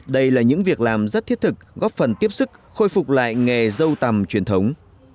đây là những việc làm rất thiết thực góp phần tiếp sức khôi phục lại nghề dâu tầm truyền thống